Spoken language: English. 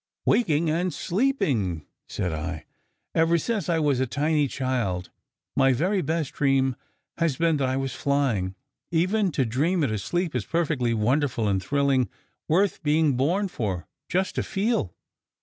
"Waking and sleeping," said I. "Ever since I was a tiny child, my very best dream has been that I was flying. Even to dream it asleep is perfectly wonderful and thrilling, worth being born for, just to feel.